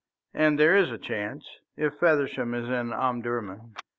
"And there is a chance if Feversham is in Omdurman."